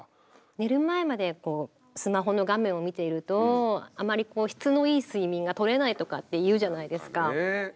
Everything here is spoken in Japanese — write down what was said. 寝る前までこうスマホの画面を見ているとあまりこう質のいい睡眠がとれないとかって言うじゃないですか。